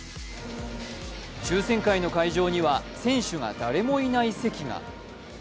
抽選会の会場には、選手が誰もいない席が。